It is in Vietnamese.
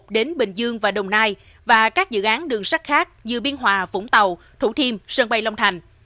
đến bình dương và đồng nai và các dự án đường sắt khác như biên hòa vũng tàu thủ thiêm sân bay long thành